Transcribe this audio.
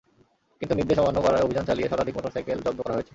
কিন্তু নির্দেশ অমান্য করায় অভিযান চালিয়ে শতাধিক মোটরসাইকেল জব্দ করা হয়েছে।